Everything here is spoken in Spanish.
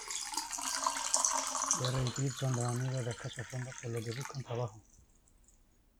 Jerry y Pete son dos amigos escasos de fondos, por lo que buscan trabajo.